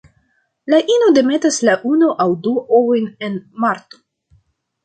La ino demetas la unu aŭ du ovojn en marto.